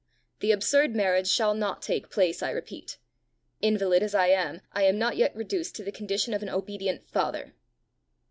The absurd marriage shall not take place, I repeat. Invalid as I am, I am not yet reduced to the condition of an obedient father."